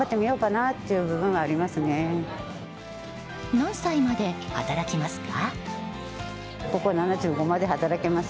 何歳まで働きますか？